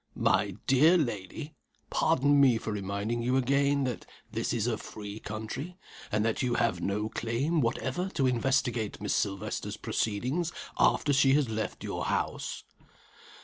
"My dear lady! pardon me for reminding you again, that this is a free country, and that you have no claim whatever to investigate Miss Silvester's proceedings after she has left your house."